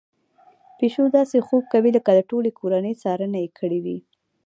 پيشو داسې خوب کوي لکه د ټولې کورنۍ څارنه يې کړې وي.